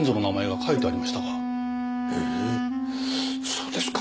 そうですか。